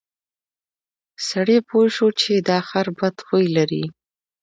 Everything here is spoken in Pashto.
سړي پوه شو چې دا خر بد خوی لري.